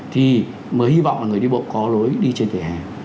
thì mới hy vọng là người đi bộ có lối đi trên vỉa hè